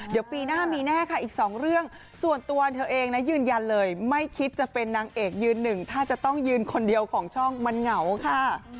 เดี๋ยวปีหน้ามีแน่ค่ะอีกสองเรื่องส่วนตัวเธอเองนะยืนยันเลยไม่คิดจะเป็นนางเอกยืนหนึ่งถ้าจะต้องยืนคนเดียวของช่องมันเหงาค่ะ